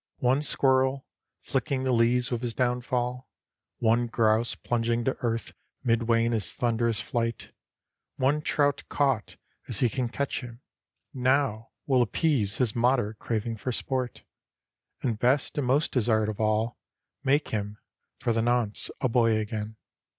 One squirrel, flicking the leaves with his downfall, one grouse plunging to earth midway in his thunderous flight, one trout caught as he can catch him, now, will appease his moderate craving for sport, and best and most desired of all, make him, for the nonce, a boy again.